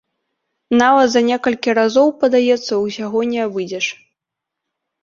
Нават за некалькі разоў, падаецца, усяго не абыдзеш.